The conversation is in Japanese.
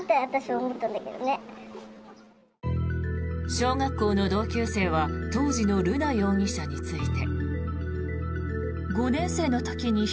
小学校の同級生は当時の瑠奈容疑者について。